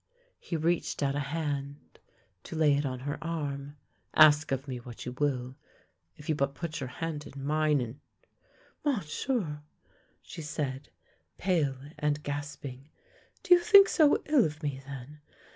He reached out a hand to lay it on her arm. " Ask of me what you will, if you but put your hand in mine and "" Monsieur! " she said, pale and gasping, " do you think so ill of me, then?